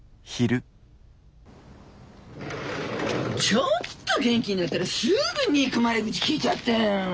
ちょっと元気になったらすぐ憎まれ口きいちゃって。